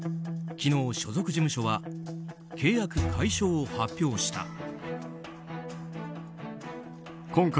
昨日、所属事務所は契約解消を発表した。